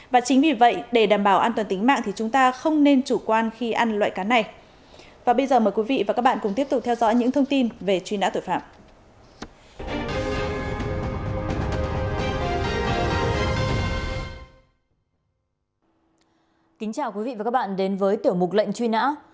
và chính vì vậy để đảm bảo an toàn tính mạng thì chúng ta không nên chủ quan khi ăn loại cá này